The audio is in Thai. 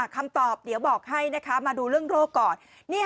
คำตอบเดี๋ยวบอกให้นะคะมาดูเรื่องโรคก่อน